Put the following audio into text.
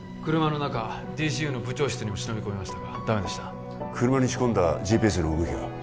車の中ＤＣＵの部長室にも忍び込みましたがダメでした車に仕込んだＧＰＳの動きは？